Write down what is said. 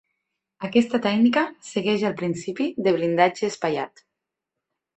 Aquesta tècnica segueix el principi de blindatge espaiat.